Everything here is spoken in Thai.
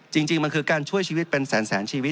จริงมันคือการช่วยชีวิตเป็นแสนชีวิต